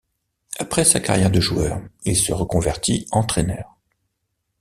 Après sa carrière de joueur, il se reconvertit entraîneur.